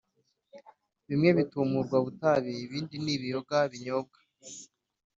bimwe bitumurwa butabi ,ibindi ni ibiyoga binyobwa